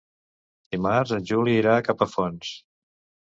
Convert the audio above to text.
Dimarts en Juli irà a Capafonts.